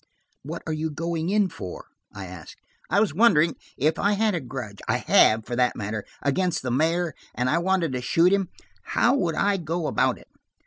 "What are you going in for?" I asked. "I was wondering if I had a grudge–I have, for that matter–against the mayor, and I wanted to shoot him, how I would go about it.